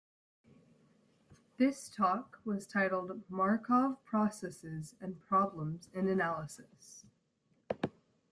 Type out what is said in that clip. This talk was titled "Markov processes and problems in analysis".